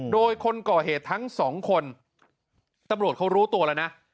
โดยคนก่อเหตุทั้งสองคนตำรวจเขารู้ตัวแล้วนะ